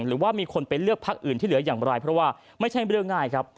หรือว่ามีคนไปเลือกพักอื่นที่เหลืออย่างไรเพราะว่าไม่ใช่เรื่องง่ายครับ